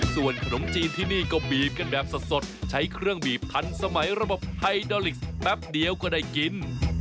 ส่วนขนมจีนที่นี่ก็บีบกันแบบสดใช้เครื่องบีบทันสมัยระบบไฮดอลิกซ์แป๊บเดียวก็ได้กิน